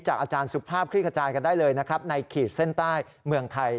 จากอาจารย์สุภาพคลิกระจายกันได้เลยในขีดเส้นใต้เมืองไทย